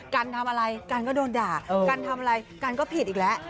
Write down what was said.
กันทำอะไรกันก็โดนด่ากันทำอะไรกันก็ผิดอีกแล้ว